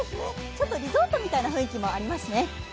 ちょっとリゾートみたいな雰囲気がありますね。